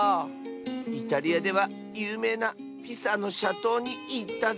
イタリアではゆうめいなピサのしゃとうにいったぜ。